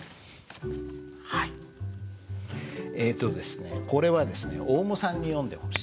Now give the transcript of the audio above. えとですねこれはですねオウムさんに読んでほしい。